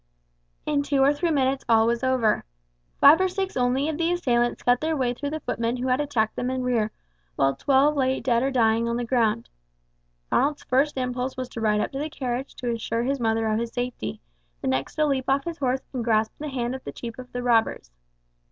In two or three minutes all was over. Five or six only of the assailants cut their way through the footmen who had attacked them in rear, while twelve lay dead or dying on the ground. Ronald's first impulse was to ride up to the carriage to assure his mother of his safety, his next to leap off his horse and grasp the hand of the chief of the robbers.